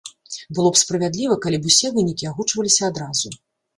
Было б справядліва, калі б усе вынікі агучваліся адразу.